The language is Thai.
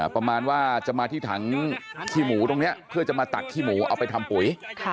ประมาณว่าจะมาที่ถังขี้หมูตรงนี้เพื่อจะมาตักขี้หมูเอาไปทำปุ๋ย